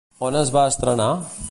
On es va estrenar?